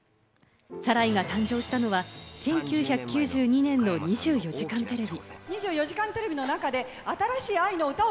『サライ』が誕生したのは、１９９２年の『２４時間テレビ』。